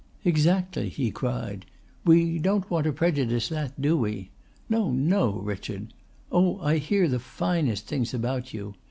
"Exactly," he cried. "We don't want to prejudice that do we? No, no, Richard! Oh, I hear the finest things about you.